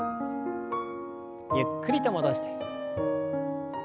ゆっくりと戻して。